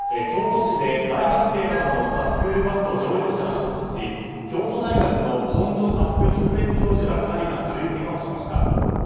京都市で大学生などが乗ったスクールバスと乗用車が衝突し京都大学の本庶佑特別教授ら２人が軽いけがをしました。